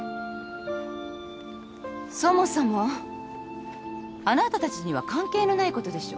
そもそもあなたたちには関係のないことでしょ。